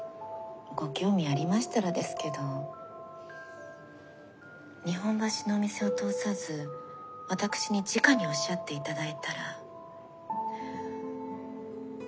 ご興味ありましたらですけど日本橋のお店を通さず私にじかにおっしゃって頂いたら３割引きにできますのよ